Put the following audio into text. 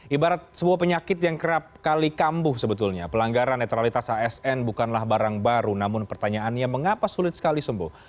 ibarat sebuah penyakit yang kerap kali kambuh sebetulnya pelanggaran netralitas asn bukanlah barang baru namun pertanyaannya mengapa sulit sekali sembuh